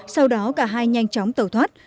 sau đó cả hai nhanh chóng tẩu thoát